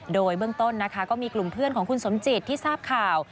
โดยเบื้องต้นนะคะก็มีกลุ่มเพื่อนของคุณสมจิตที่ทราบข่าว